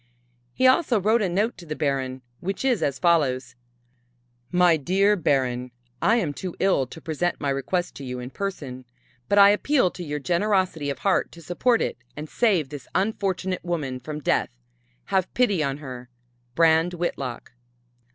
He also wrote a note to the Baron which is as follows: "My dear Baron: "I am too ill to present my request to you in person, but I appeal to your generosity of heart to support it and save this unfortunate woman from death. Have pity on her. "BRAND WHITLOCK."